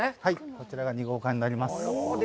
こちらが２号館になります。